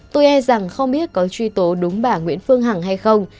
tôi e rằng không biết có truy tố đúng bà nguyễn phương hằng hay không